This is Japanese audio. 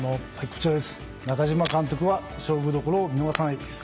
中嶋監督は勝負どころを見逃さない。